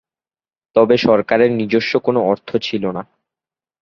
তবে সরকারের নিজস্ব কোন অর্থ ছিল না।